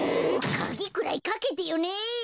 かぎくらいかけてよね！